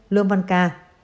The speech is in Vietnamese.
lương văn ca